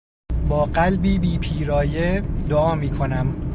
با قلبی بیپیرایه دعا میکنم.